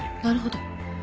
なるほど。